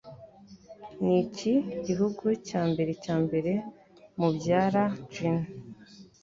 Niki Gihugu Cyambere Cyambere Mubyara Gin